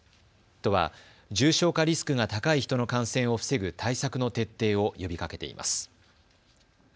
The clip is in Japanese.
都は重症化リスクが高い人の感染を防ぐ対策の徹底を呼びかけています。